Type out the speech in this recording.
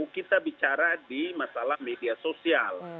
kita bicara di masalah media sosial